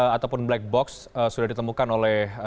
ataupun black box sudah ditemukan oleh